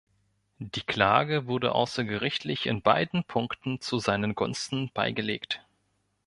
Die Klage wurde außergerichtlich in beiden Punkten zu seinen Gunsten beigelegt.